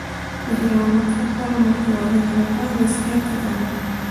د حیواناتو لپاره متوازنه غذا د صحت ضامن ده.